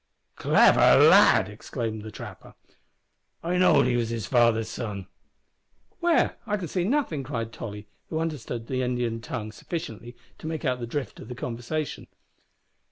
"Clever lad!" exclaimed the trapper, "I know'd he was his father's son." "Where? I can see nothing," cried Tolly, who understood the Indian tongue sufficiently to make out the drift of the conversation.